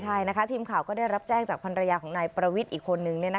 ใช่นะคะทีมข่าวก็ได้รับแจ้งจากภรรยาของนายประวิทย์อีกคนนึง